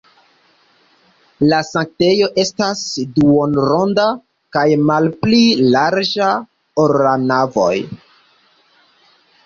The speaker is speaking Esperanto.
La sanktejo estas duonronda kaj malpli larĝa, ol la navoj.